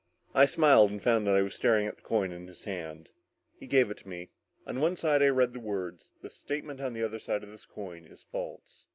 I smiled and found that I was staring at the coin in his hand. He gave it to me. On one side I read the words: THE STATEMENT ON THE OTHER SIDE OF THIS COIN IS FALSE.